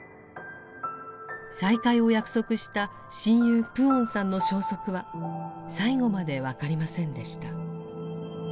再会を約束した親友・プオンさんの消息は最後まで分かりませんでした。